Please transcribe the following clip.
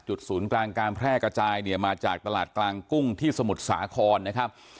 ศูนย์กลางการแพร่กระจายเนี่ยมาจากตลาดกลางกุ้งที่สมุทรสาครนะครับ